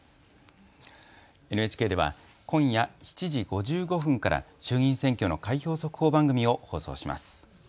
ＮＨＫでは今夜７時５５分から衆議院選挙の開票速報番組を放送します。